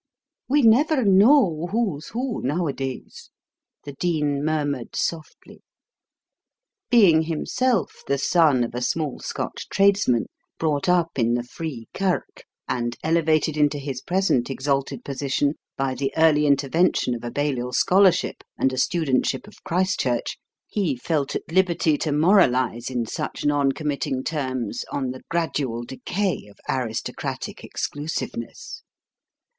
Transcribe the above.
"We never know who's who nowadays," the Dean murmured softly. Being himself the son of a small Scotch tradesman, brought up in the Free Kirk, and elevated into his present exalted position by the early intervention of a Balliol scholarship and a studentship of Christ Church, he felt at liberty to moralise in such non committing terms on the gradual decay of aristocratic exclusiveness.